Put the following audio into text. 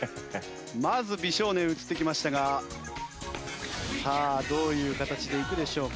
まず美少年映ってきましたがさあどういう形でいくでしょうか？